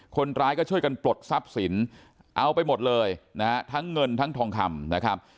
คนร้ายก็ช่วยกันปลดทรัพย์สินเอาไปหมดเลยนะฮะทั้งเงินทั้งทองคำนะครับ